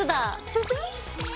フフッ。